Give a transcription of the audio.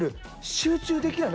集中できない。